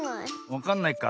わかんないか。